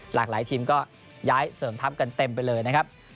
หลายทีมก็ย้ายเสริมทัพกันเต็มไปเลยนะครับ